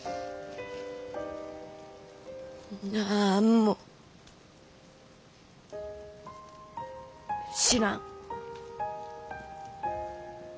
なんも知らん。